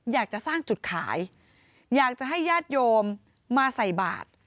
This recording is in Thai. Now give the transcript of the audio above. อยากจะสร้างจุดขายอยากจะให้ญาติโยมมาใส่บาท